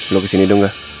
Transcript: lo kesini dong gak